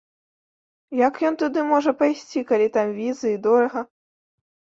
Як ён туды можа пайсці, калі там візы і дорага?